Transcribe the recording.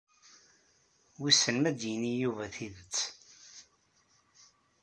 Wissen ma d-yini Yuba tidet.